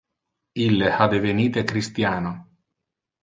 Ille ha devenite christiano.